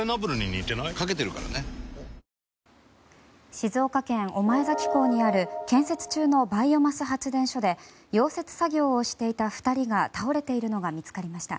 静岡県御前崎港にある建設中のバイオマス発電所で溶接作業をしていた２人が倒れているのが見つかりました。